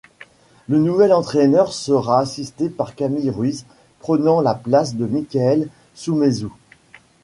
Le nouvel entraîneur sera assisté par Camille Ruiz, prenant la place de Mickaël Sommesous.